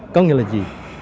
có nghĩa là gì